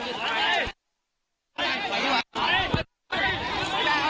พระบุว่าจะมารับคนให้เดินทางเข้าไปในวัดพระธรรมกาลนะคะ